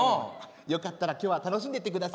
よかったら今日は楽しんでってくださいね。